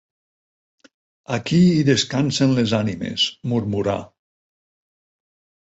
Aquí hi descansen les ànimes –murmurà.